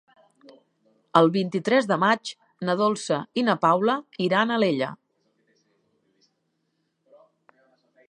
El vint-i-tres de maig na Dolça i na Paula iran a Alella.